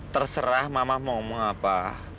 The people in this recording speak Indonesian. terserah mama mau ngomong apa